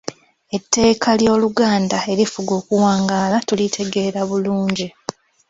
Etteeka ly’Oluganda erifuga okuwangaala tulitegeera bulungi.